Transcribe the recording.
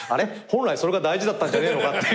本来それが大事だったんじゃねえのかって。